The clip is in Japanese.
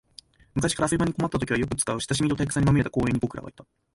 昔から遊び場に困ったときによく使う、親しみと退屈さにまみれた公園に僕らはいた